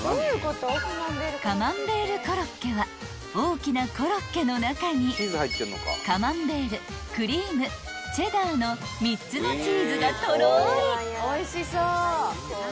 ［カマンベールコロッケは大きなコロッケの中にカマンベールクリームチェダーの３つのチーズがとろり］